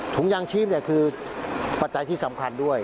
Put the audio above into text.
ถุงยางชีพคือปัจจัยที่สำคัญด้วย